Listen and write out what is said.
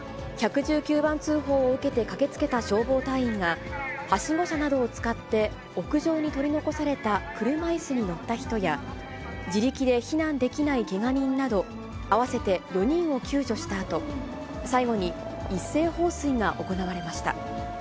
１１９番通報を受けて駆けつけた消防隊員が、はしご車などを使って、屋上に取り残された車いすに乗った人や、自力で避難できないけが人など、合わせて４人を救助したあと、最後に一斉放水が行われました。